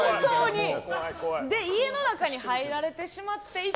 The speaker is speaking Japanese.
家の中に入られてしまっていて。